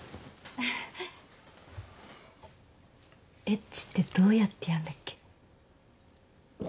エッチってどうやってやんだっけ？